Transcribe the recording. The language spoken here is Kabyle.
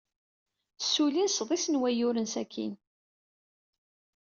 Ssullin sḍis n wayyuren sakkin.